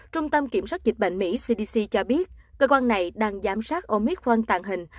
trung tâm kiểm soát dịch bệnh mỹ cdc cho biết cơ quan này đang giám sát omicron tạo hình